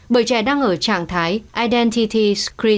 bởi trẻ đang ở trạng thái identity screening